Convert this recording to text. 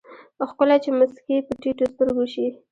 ښکلے چې مسکې په ټيټو سترګو شي